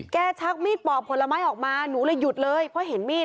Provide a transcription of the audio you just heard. ชักมีดปอกผลไม้ออกมาหนูเลยหยุดเลยเพราะเห็นมีด